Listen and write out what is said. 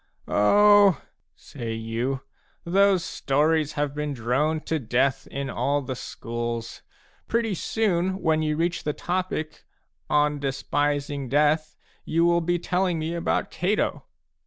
"Oh," say you, "those stories have been droned to death in all the schools ; pretty soon, when you reach the topic * On Despising Death/ you will be telling me about Cato."